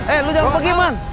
eh lu jangan pergi man